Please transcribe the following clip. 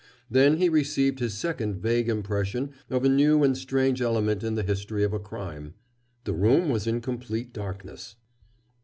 Then he received his second vague impression of a new and strange element in the history of a crime. The room was in complete darkness.